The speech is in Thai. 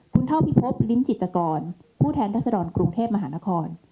คุณเท่าพิพบลิ้มจิตกรผู้แทนรัศดรกรุงเทพมหานคร